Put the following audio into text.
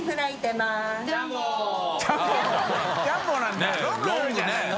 ジャンボ」なんだ「ロング」じゃないの？